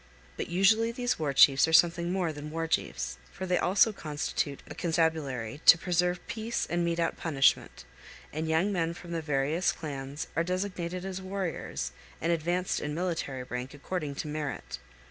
But usually these war chiefs are something more than war chiefs, for they also constitute a constabulary to preserve peace and mete out punishment; and young men from the various clans are designated as warriors 361 TO ZUÑI. 361 and advanced in military rank according to merit.